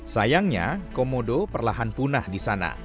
sayangnya komodo perlahan lahan berubah menjadi sebuah kota yang berbeda